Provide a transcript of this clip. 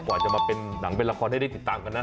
กว่าจะมาเป็นหนังเป็นละครให้ได้ติดตามกันนะ